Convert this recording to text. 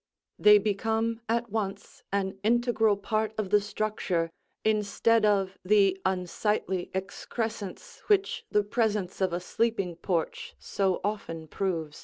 They become at once an integral part of the structure instead of the unsightly excrescence which the presence of a sleeping porch so often proves.